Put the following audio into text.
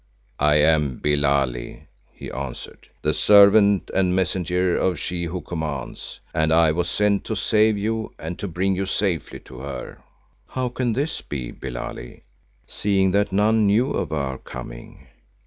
"I am named Billali," he answered, "the servant and messenger of She who commands, and I was sent to save you and to bring you safely to her." "How can this be, Billali, seeing that none knew of our coming?"